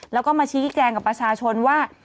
แล้วก็มาชี้แจงกับประชาชนว่า